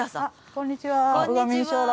こんにちは。